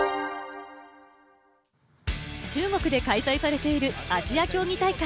中国で開催されているアジア競技大会。